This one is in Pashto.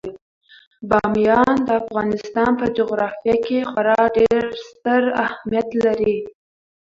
بامیان د افغانستان په جغرافیه کې خورا ډیر ستر اهمیت لري.